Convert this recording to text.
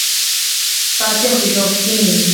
pasiaq lloqsini